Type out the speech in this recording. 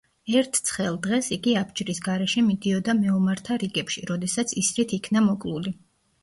ერთ ცხელ დღეს იგი აბჯრის გარეშე მიდიოდა მეომართა რიგებში, როდესაც ისრით იქნა მოკლული.